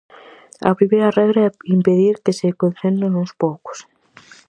A primeira regra é impedir que se concentre nuns poucos.